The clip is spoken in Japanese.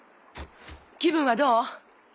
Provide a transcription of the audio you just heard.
気分はどう？